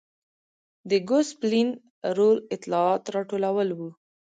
د ګوسپلین رول اطلاعات راټولول و.